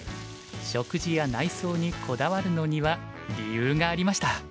食事や内装にこだわるのには理由がありました。